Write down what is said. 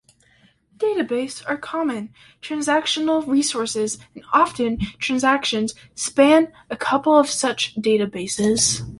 Database are common transactional resources and, often, transactions span a couple of such databases.